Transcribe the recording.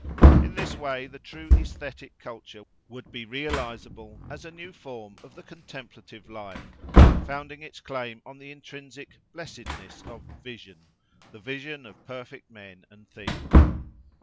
In this way, the true aesthetic culture would be realisable as a new form of the contemplative life, founding its claim on the intrinsic "blessedness" of "vision"—the vision of perfect men and things.